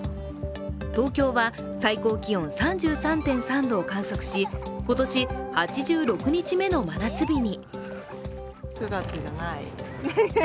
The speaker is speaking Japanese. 東京は最高気温３３．３度を観測し、今年８６日目の真夏日に。